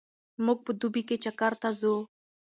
موږ په دوبي کې چکر ته ځو.